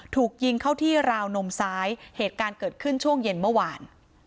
ถูกยิงเข้าที่ราวนมซ้ายเหตุการณ์เกิดขึ้นช่วงเย็นเมื่อวาน